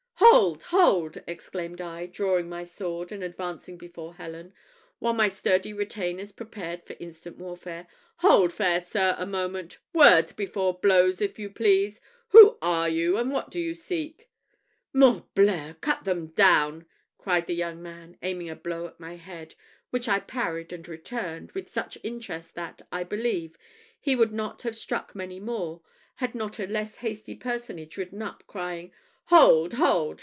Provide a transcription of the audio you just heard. "Hold, hold!" exclaimed I, drawing my sword, and advancing before Helen, while my sturdy retainers prepared for instant warfare. "Hold, fair sir, a moment. Words before blows, if you please. Who are you? and what do you seek?" "Morbleu! Cut them down!" cried the young man, aiming a blow at my head, which I parried and returned, with such interest, that, I believe, he would not have struck many more had not a less hasty personage ridden up, crying, "Hold, hold!